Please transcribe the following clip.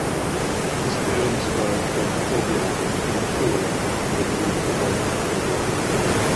His parents were from Foggia, in Apulia, and had moved north for work.